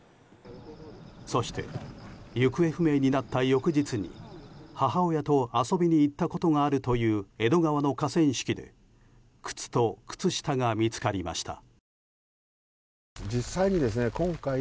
そして、行方不明になった翌日に母親と遊びに行ったことがあるという江戸川の河川敷で靴と靴下が見つかりました。